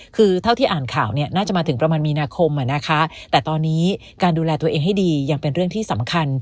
คือเท่าที่อ่านข่าวเนี่ยน่าจะมาถึงประมาณมีนาคมแต่ตอนนี้การดูแลตัวเองให้ดียังเป็นเรื่องที่สำคัญ